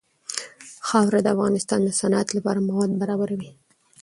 خاوره د افغانستان د صنعت لپاره مواد برابروي.